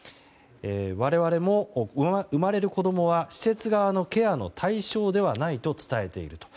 我々も、生まれる子供は施設側のケアの対象ではないと伝えていると。